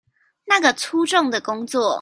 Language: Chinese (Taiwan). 那個粗重的工作